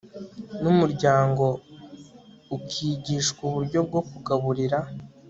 n'umuryango ukigishwa uburyo bwo kugaburira